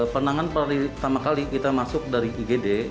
penanganan pertama kali kita masuk dari igd